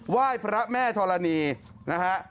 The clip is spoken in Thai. ไหว้พระแม่ธรณีย์นะครับ